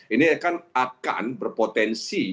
ini akan berpotensi